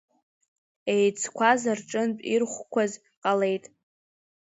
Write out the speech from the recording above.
Еицқәаз рҿынтә ирхәқәаз ҟалеит,…